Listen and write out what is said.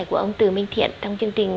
của ông tử minh thiện trong chương trình